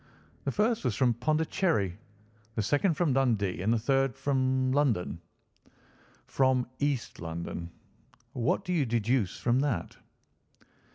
"The first was from Pondicherry, the second from Dundee, and the third from London." "From East London. What do you deduce from that?"